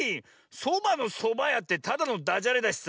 「そばのそばや」ってただのダジャレだしさ。